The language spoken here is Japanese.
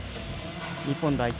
日本代表